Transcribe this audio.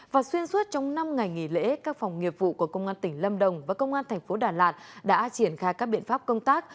và xuyên suốt trong năm ngày nghỉ lễ các phòng nghiệp vụ của công an tỉnh lâm đồng và công an thành phố đà lạt đã triển khai các biện pháp công tác